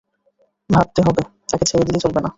ভাবতে হবে, তাকে ছেড়ে দিলে চলবে না।